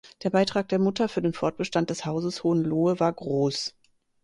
Der Beitrag der Mutter für den Fortbestand des Hauses Hohenlohe war groß.